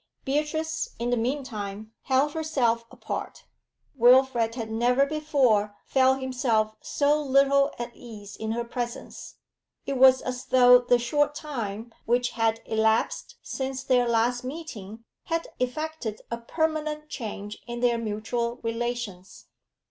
Beatrice, in the meantime, held herself apart; Wilfrid had never before felt himself so little at ease in her presence. It was as though the short time which had elapsed since their last meeting had effected a permanent change in their mutual relations.